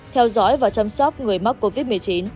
theo dõi và chăm sóc người mắc covid một mươi chín